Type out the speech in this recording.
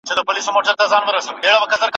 ولې کتاب اخلو؟